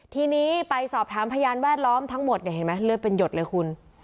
ทีนี้ไปสอบถามพยานแวดล้อมทั้งหมดเนี่ยเห็นไหมเลือดเป็นหยดเลยคุณ